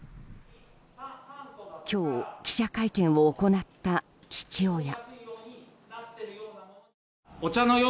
今日、記者会見を行った父親。